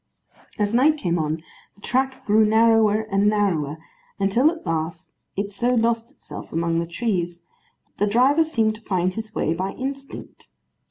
As night came on, the track grew narrower and narrower, until at last it so lost itself among the trees, that the driver seemed to find his way by instinct.